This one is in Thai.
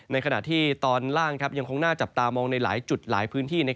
ในขณะที่ตอนล่างยังคงน่าจับตามองในหลายจุดหลายพื้นที่